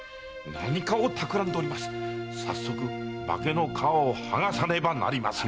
早速化けの皮を剥がさねばなりますまい。